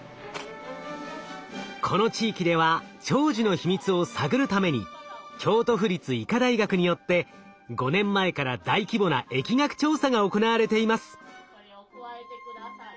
この地域では長寿の秘密を探るために京都府立医科大学によって５年前から大規模な疫学調査が行われています。